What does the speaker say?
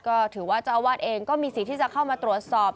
ก็ถือว่าเจ้าอาวาสเองก็มีสิทธิ์ที่จะเข้ามาตรวจสอบ